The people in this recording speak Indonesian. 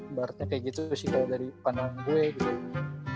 ibaratnya kayak gitu sih kalau dari pandang gue gitu